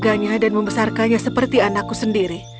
saya akan menjaga dan membesarkannya seperti anakku sendiri